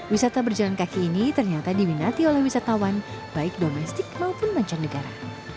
wisata berjalan kaki ini ternyata diminati oleh wisatawan baik domestik maupun mancanegara